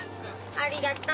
ありがとう。